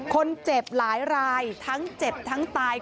คนเจ็บหลายรายทั้งเจ็บทั้งตาย